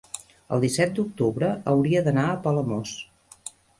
el disset d'octubre hauria d'anar a Palamós.